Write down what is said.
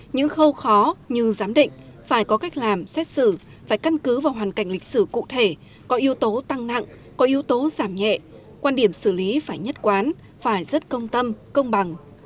những khâu khó như giám định phải có cách làm xét xử phải căn cứ vào hoàn cảnh lịch sử cụ thể có yếu tố tăng nặng có yếu tố giảm nhẹ quan điểm xử lý phải nhất quán phải rất công tâm công bằng